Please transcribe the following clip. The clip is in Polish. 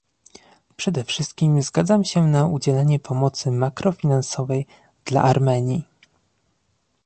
Przede wszystkim zgadzam się na udzielenie pomocy makrofinansowej dla Armenii